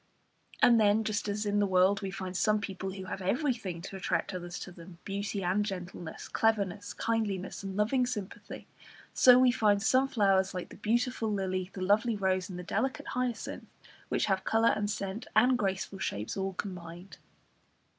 And then, just as in the world we find some people who have everything to attract others to them, beauty and gentleness, cleverness, kindliness, and loving sympathy, so we find some flowers, like the beautiful lily, the lovely rose, and the delicate hyacinth, which have colour and scent and graceful shapes all combined.